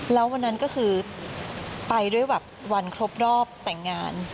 แล้ววันนั้นก็คือไปด้วยแบบวันครบรอบแต่งงาน